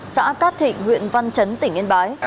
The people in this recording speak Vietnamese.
xã cát thịnh huyện văn chấn tỉnh yên bái